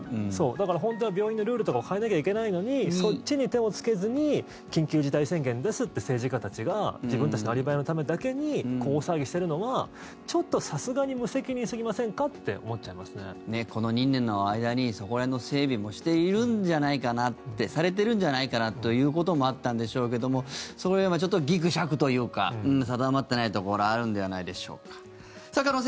だから本当は病院のルールとかを変えなきゃいけないのにそっちに手をつけずに緊急事態宣言ですって政治家たちが自分たちのアリバイのためだけに大騒ぎしているのはちょっとさすがに無責任すぎませんかってこの２年の間にそこら辺の整備もしているんじゃないかなってされてるんじゃないかなということもあったんでしょうがそこら辺はぎくしゃくというか定まってないところがあるのではないでしょうか。